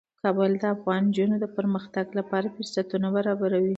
کابل د افغان نجونو د پرمختګ لپاره فرصتونه برابروي.